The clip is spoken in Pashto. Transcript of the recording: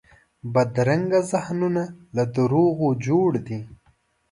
بدرنګه ذهنونه له دروغو جوړ دي